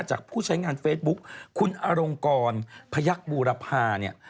ผู้ใช้งานเฟซบุ๊กคุณอรงกรพยักษบูรพาเนี่ย